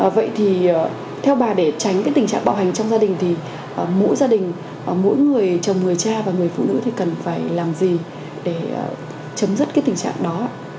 vậy thì theo bà để tránh cái tình trạng bạo hành trong gia đình thì mỗi gia đình mỗi người chồng người cha và người phụ nữ thì cần phải làm gì để chấm dứt cái tình trạng đó